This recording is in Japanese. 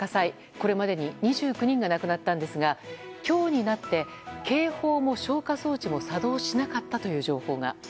これまでに２９人が亡くなったのですが今日になって警報も消火装置も作動しなかったという情報が。